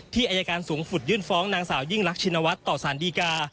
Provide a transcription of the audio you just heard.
ที่อายการสูงฝุดยื่นฟ้องนางสาวยิ่งลักษณวัตรต่อสารดีกา